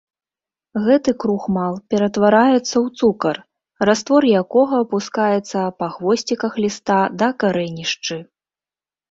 Гэты крухмал ператвараецца ў цукар, раствор якога апускаецца па хвосціках ліста да карэнішчы.